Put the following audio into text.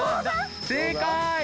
正解！